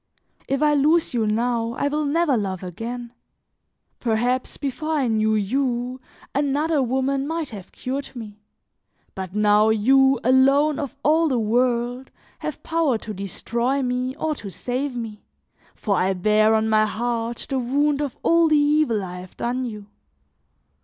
If I lose you now, I will never love again. Perhaps, before I knew you, another woman might have cured me; but now you, alone, of all the world, have power to destroy me or to save me, for I bear on my heart the wound of all the evil I have done you.